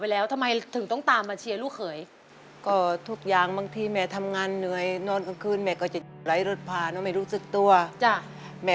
แววเตียงเตียงแทนจากเด่นอีสานเมื่อต่าง